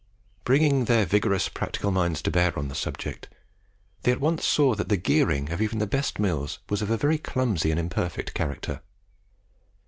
Bringing their vigorous practical minds to bear on the subject, they at once saw that the gearing of even the best mills was of a very clumsy and imperfect character.